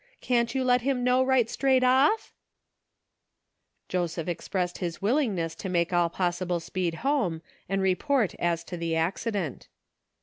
Can't you let him know right straight off ?" Joseph expressed his willingness to make all possible speed home and report as to the accident.